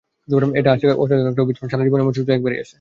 এটা আসলেই অসাধারণ একটি অভিযান, সারা জীবনে এমন সুযোগ একবারই আসে।